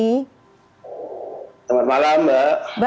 selamat malam mbak